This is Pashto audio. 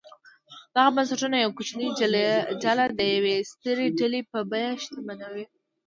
دغه بنسټونه یوه کوچنۍ ډله د یوې سترې ډلې په بیه شتمنوي.